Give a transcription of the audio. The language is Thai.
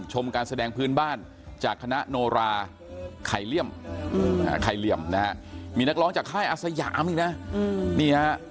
ชมการแสดงพื้นบ้านจากคณะโนราไข่เหลี่ยมมีนักร้องจากค่ายอาสยามอีกนะ